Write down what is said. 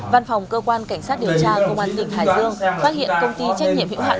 văn phòng cơ quan cảnh sát điều tra công an tỉnh hải dương phát hiện công ty trách nhiệm hiệu hạn